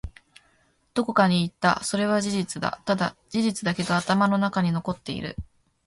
どこかに行った。それは事実だ。ただ、事実だけが頭の中に残っている。